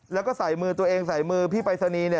แล้วก็ใส่มือตัวเองใส่มือพี่ไปซะนี